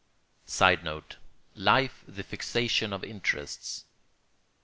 [Sidenote: Life the fixation of interests.